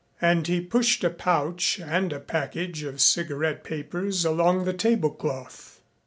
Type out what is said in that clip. And he pushed a pouch and a package of cigarette papers along the tablecloth.